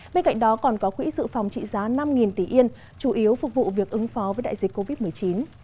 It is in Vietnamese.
bên cạnh đó còn có quỹ dự phòng trị giá năm tỷ yên chủ yếu phục vụ việc ứng phó với đại dịch covid một mươi chín